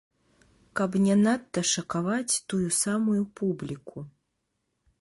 Каб не надта шакаваць тую самую публіку.